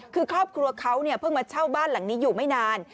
คือครอบครัวเขาเพิ่งมาเช่าบ้านหลังนี้อยู่ไม่นาน